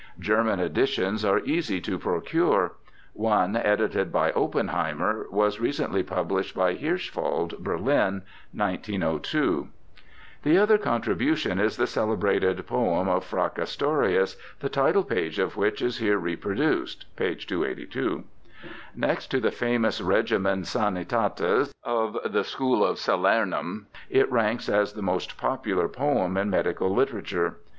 German editions are easy to pro cure. One, edited by Oppenheimer, was recentl}^ pub lished by Hirschwald, Berlin, 1902.^ The other contribution is the celebrated poem of Fracastorius, the title page of which is here reproduced (p. 282). Next to the famous Regimen Sanitatis of the School of Salernum, it ranks as the most popular poem in medical literature.